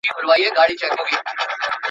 له پاڼو تشه ونه.